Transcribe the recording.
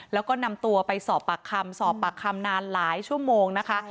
แล้วก็นำตัวไปสอบปากคำสอบปากคำนานหลายชั่วโมงนะคะ